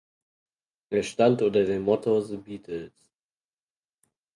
Es stand unter dem Motto The Beatles.